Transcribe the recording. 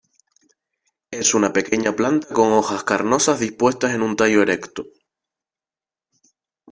Es una pequeña planta con hojas carnosas dispuestas en un tallo erecto.